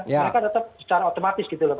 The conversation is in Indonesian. mereka tetap secara otomatis gitu loh